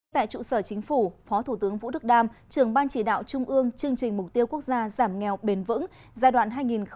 tại trụ sở chính phủ phó thủ tướng vũ đức đam trưởng ban chỉ đạo trung ương chương trình mục tiêu quốc gia giảm nghèo bền vững giai đoạn hai nghìn một mươi sáu hai nghìn hai mươi